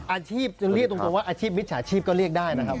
อาชีพจะเรียกตรงว่าอาชีพมิจฉาชีพก็เรียกได้นะครับ